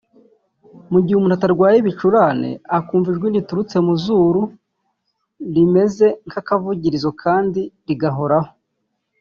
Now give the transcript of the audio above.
Mu gihe umuntu atarwaye ibicurane akumva ijwi rituruka mu zuru rimeze nk’akavugirizo kandi rigahoraho